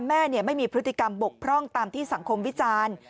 ไม่มีพฤติกรรมบกพร่องตามที่สังคมวิจารณ์